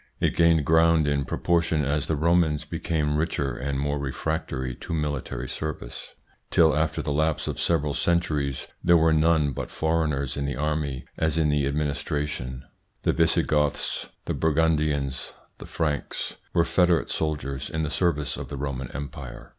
It gained ground in proportion as the Romans became richer and more refractory to military service, till, after the lapse of several centuries, there were none but foreigners in the army as in the administration :" The Visigoths, the Burgundians, the Franks were federate soldiers in the service of the Roman Empire."